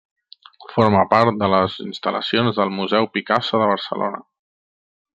Forma part de les instal·lacions del Museu Picasso de Barcelona.